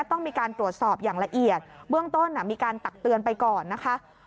ต้องมีการตรวจสอบอย่างละเอียดเบื้องต้นมีการตักเตือนไปก่อนนะคะ